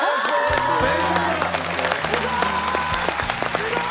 すごーい。